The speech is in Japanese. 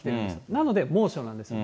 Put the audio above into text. なので、猛暑なんですね。